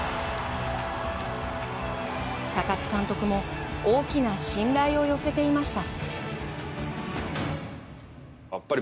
高津監督も大きな信頼を寄せていました。